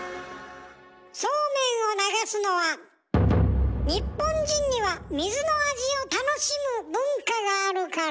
そうめんを流すのは日本人には水の味を楽しむ文化があるから。